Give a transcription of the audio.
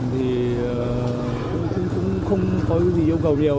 thì cũng không có gì yêu cầu nhiều